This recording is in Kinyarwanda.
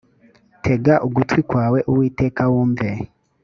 tega ugutwi kwawe uwiteka wumve